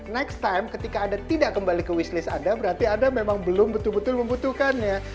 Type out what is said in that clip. next time ketika anda tidak kembali ke wishlist anda berarti anda memang belum betul betul membutuhkan ya